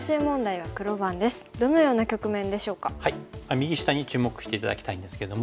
右下に注目して頂きたいんですけども。